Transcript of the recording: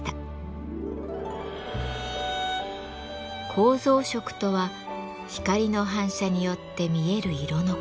構造色とは光の反射によって見える色のこと。